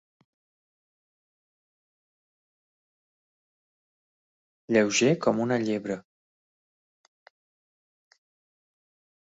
Lleuger com una llebre.